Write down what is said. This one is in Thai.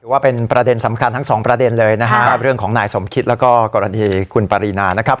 ว่าเป็นประเด็นสำคัญทั้งสองประเด็นเลยนะครับเรื่องของนายสมคิดแล้วก็กรณีคุณปรินานะครับ